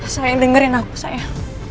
sayang dengerin aku sayang